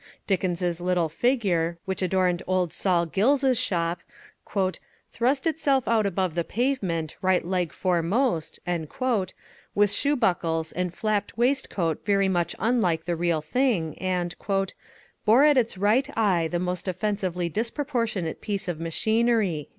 Dickens's little figure, which adorned old Sol Gills's shop, "thrust itself out above the pavement, right leg foremost," with shoe buckles and flapped waistcoat very much unlike the real thing, and "bore at its right eye the most offensively disproportionate piece of machinery."